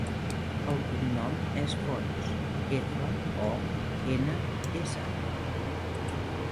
El cognom és Fons: efa, o, ena, essa.